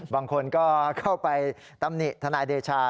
บางคนก็เข้าไปตำหนิทนายเดชา